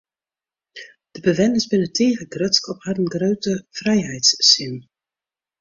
De bewenners binne tige grutsk op harren grutte frijheidssin.